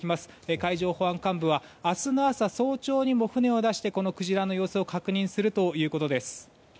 海上保安監部は明日の朝、早朝にも船を出してクジラの様子を確認するということです。